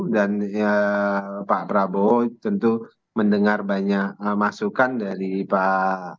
dan pak prabowo tentu mendengar banyak masukan dari pak